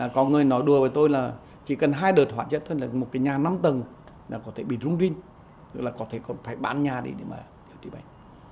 có người nói đùa với tôi là chỉ cần hai đợt hóa chất thôi là một cái nhà năm tầng là có thể bị rung rinh có thể còn phải bán nhà để mà điều trị bệnh